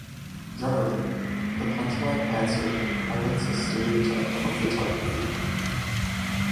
Generally, the punch line answer highlights a stereotype of the target group.